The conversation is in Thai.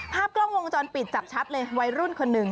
ภาพกล้องวงจรปิดจับชัดเลยวัยรุ่นคนหนึ่ง